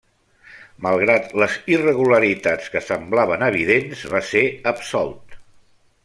Malgrat les irregularitats que semblaven evidents, va ser absolt.